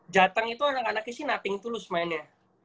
jateng itu anak anaknya sih nothing to lose mainnya